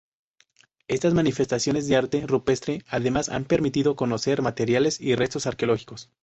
Estas manifestaciones de arte rupestre además han permitido conocer materiales y restos arqueológicos.